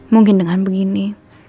mungkin dengan begini